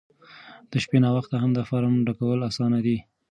د شپې ناوخته هم د فارم ډکول اسانه دي.